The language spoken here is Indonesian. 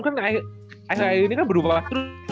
kan akhir akhir ini kan berubah terus